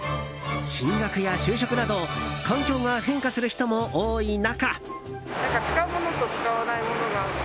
進学や就職など環境が変化する人も多い中。